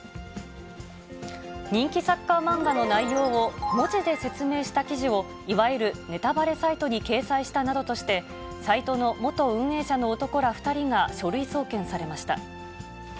人気サッカー漫画の内容を文字で説明した記事を、いわゆるネタバレサイトに掲載したなどとして、サイトの元運営者の男ら２人が書類送検されました。